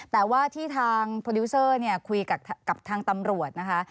แต่ว่าที่ทางโปรดิวเซอร์คุยกับทางตำรวจนะคะ